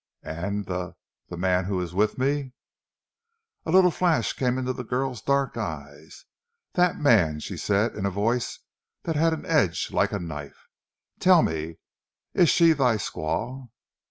"And the the man who is with me?" A little flash came in the girl's dark eyes. "That man " she said in a voice that had an edge like a knife, "tell me, is she thy squaw?"